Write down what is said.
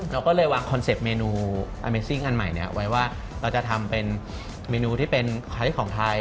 เราก็เลยวางคอนเซ็ปต์เมนูอเมซิ่งอันใหม่เนี่ยไว้ว่าเราจะทำเป็นเมนูที่เป็นคล้ายของไทย